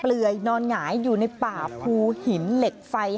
เลื่อยนอนหงายอยู่ในป่าภูหินเหล็กไฟ